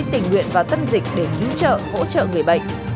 tình nguyện vào tâm dịch để cứu trợ hỗ trợ người bệnh